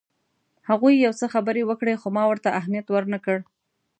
هغوی یو څه خبرې وکړې خو ما ورته اهمیت ورنه کړ.